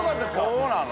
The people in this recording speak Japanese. そうなの？